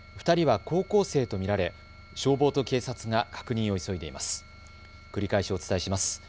２人は高校生と見られ消防と警察が確認を急いでいます。